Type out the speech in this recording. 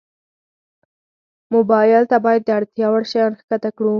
موبایل ته باید د اړتیا وړ شیان ښکته کړو.